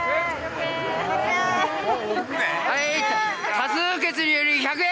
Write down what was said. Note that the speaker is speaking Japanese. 多数決により１００円！